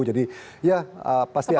jadi ya pasti akan